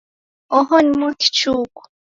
Oho Ni W'akichuku.